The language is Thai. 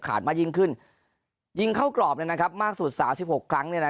ขาดมากยิ่งขึ้นยิงเข้ากรอบนะครับมากสุด๓๖ครั้งเนี่ยนะ